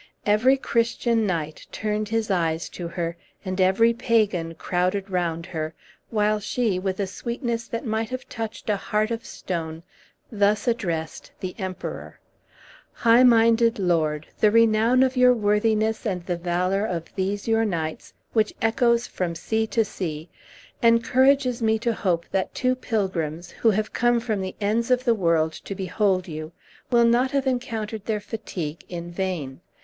Every Christian knight turned his eyes to her, and every Pagan crowded round her, while she, with a sweetness that might have touched a heart of stone, thus addressed the Emperor: "High minded lord, the renown of your worthiness, and of the valor of these your knights, which echoes from sea to sea, encourages me to hope that two pilgrims, who have come from the ends of the world to behold you, will not have encountered their fatigue in vain.